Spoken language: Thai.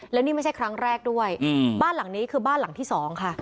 แล้วนี่ไม่ใช่ครั้งแรกด้วยบ้านหลังนี้คือบ้านหลังที่สองค่ะ